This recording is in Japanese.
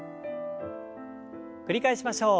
繰り返しましょう。